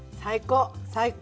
最高！